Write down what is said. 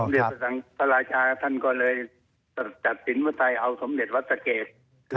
สมเจษฐ์สำราชาธิการก็เลยจัดสินวัฒน์ไทยเอาสมเจษฐ์วัฏษเกษ